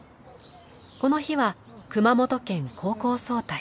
この日は熊本県高校総体。